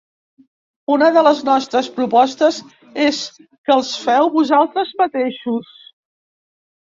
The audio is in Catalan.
Una de les nostres propostes és que els feu vosaltres mateixos.